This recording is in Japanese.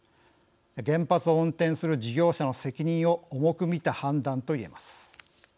原発を運転する事業者の責任を重く見た判断といえます。